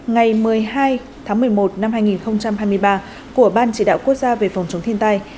ngày một mươi hai tháng một mươi một năm hai nghìn hai mươi ba của ban chỉ đạo quốc gia về phòng chống thiên tai